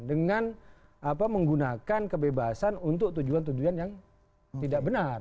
dengan menggunakan kebebasan untuk tujuan tujuan yang tidak benar